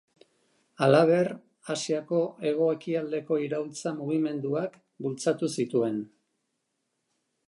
Halaber, Asiako hego-ekialdeko iraultza mugimenduak bultzatu zituen.